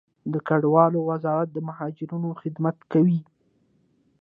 د کډوالو وزارت د مهاجرینو خدمت کوي